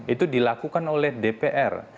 itu dilakukan oleh dpr